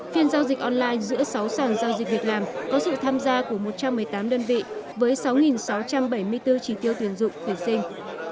phiên giao dịch online giữa sáu sàn giao dịch việc làm có sự tham gia của một trăm một mươi tám đơn vị với sáu sáu trăm bảy mươi bốn trí tiêu tuyển dụng tuyển sinh